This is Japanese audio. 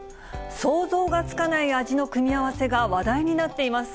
想像がつかない味の組み合わせが話題になっています。